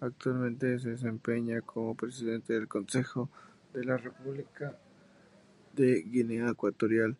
Actualmente se desempeña como Presidente del Consejo de la República de Guinea Ecuatorial.